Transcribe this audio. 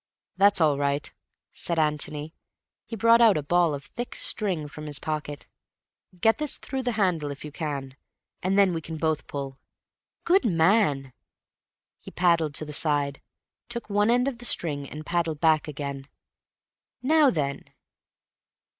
"That's all right," said Antony. He brought out a ball of thick string from his pocket. "Get this through the handle if you can, and then we can both pull." "Good man." He paddled to the side, took one end of the string and paddled back again. "Now then."